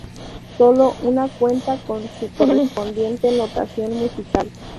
Sólo una cuenta con su correspondiente notación musical.